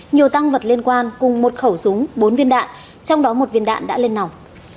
nhiều tăng vật liên quan cùng một khẩu súng bốn viên đạn trong đó một viên đạn đã lên nòng